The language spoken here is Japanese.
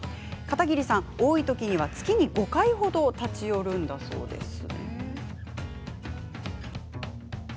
片桐さん、多い時には月に５回程立ち寄るんだそうです。